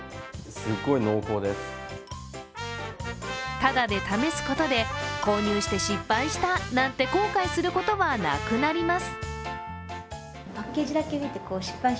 ただで試すことで購入して失敗したなんて後悔することはなくなります。